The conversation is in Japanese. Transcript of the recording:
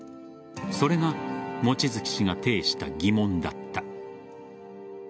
それが望月氏が呈した疑問だった。